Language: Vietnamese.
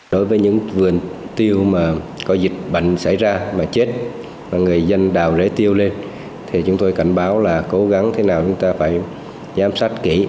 đối với những vườn tiêu mà có dịch bệnh xảy ra mà chết người dân đào rễ tiêu lên thì chúng tôi cảnh báo là cố gắng thế nào chúng ta phải giám sát kỹ